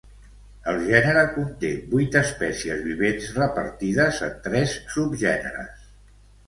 El gènere conté vuit espècies vivents repartides en tres subgèneres.